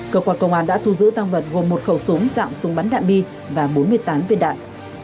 cơ quan công an đã thu giữ tăng vật gồm một khẩu súng dạng súng bắn đạn bi và bốn mươi tám viên đạn